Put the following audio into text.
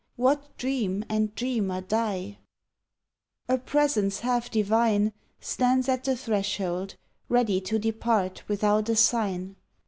What dream and dreamer die*? A presence half divine Stands at the threshold, ready to depart Without a sign.